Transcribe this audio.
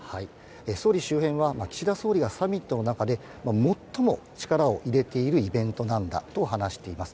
総理周辺は、岸田総理がサミットの中で最も力を入れているイベントなんだと話しています。